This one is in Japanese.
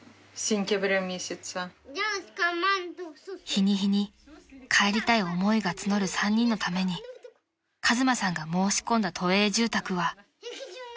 ［日に日に帰りたい思いが募る３人のために和真さんが申し込んだ都営住宅は］